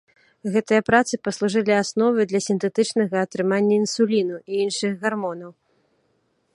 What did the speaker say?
Гэтыя працы паслужылі асновай для сінтэтычнага атрымання інсуліну і іншых гармонаў.